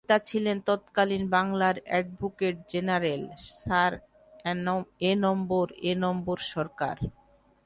তার পিতা ছিলেন তৎকালীন বাংলার অ্যাডভোকেট-জেনারেল, স্যার এনম্বরএনম্বরসরকার।